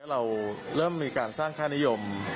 เราเริ่มมีการสร้างค่านิยม